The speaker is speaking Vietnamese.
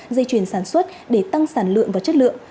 dây chuyển sản xuất để tăng sản lượng và chất lượng